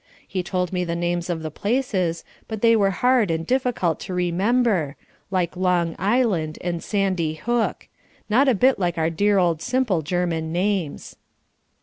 He told me the names of the places, but they were hard and difficult to remember, like Long Island and Sandy Hook; not a bit like our dear old simple German names.